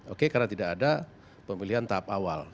oke karena tidak ada pemilihan tahap awal